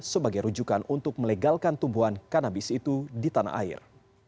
sebagai rujukan untuk melegalkan tumbuhan kanabis itu di tanah air